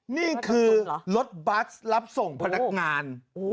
นี่คือรถบัสรับส่งพนักงาน